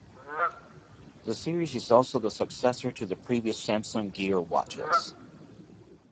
The series is also the successor to the previous Samsung Gear watches.